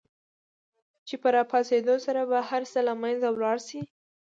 چې په را پاڅېدو سره به هر څه له منځه ولاړ شي.